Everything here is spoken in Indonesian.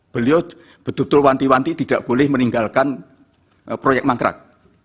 beliau betul betul wanti wanti tidak boleh meninggalkan proyek mangkrak